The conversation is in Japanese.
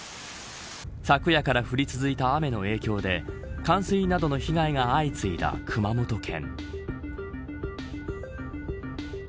昨夜から降り続いた雨の影響で冠水などの被害が相次いだ熊本県。